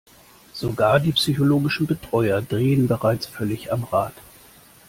Sogar die psychologischen Betreuer drehen bereits völlig am Rad.